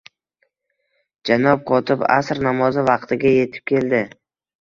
Janob kotib asr namozi vaqtiga etib keldi